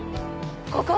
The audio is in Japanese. ここ！